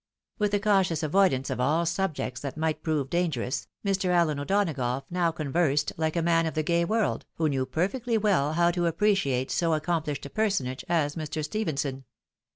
With a cautious avoidance of aU subjects that might prove dangerous, ISIr. Allen O'Donagough now conversed like a man of the gay world, who knew perfectly well how to appreciate so accom pUshed a personage as Mr. Stephenson.